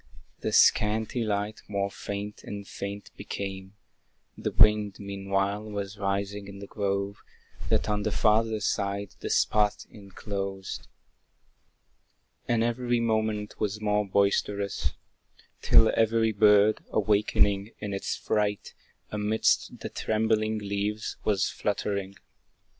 The scanty light more faint and faint became; The wind, meanwhile, was rising in the grove, That on the farther side the spot enclosed; And, every moment, was more boisterous; Till every bird, awaking in its fright, Amidst the trembling leaves was fluttering.